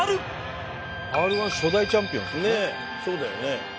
ねえそうだよね。